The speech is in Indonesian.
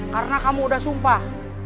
karena kamu udah sumpah